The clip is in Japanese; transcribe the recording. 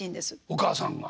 お母さんが。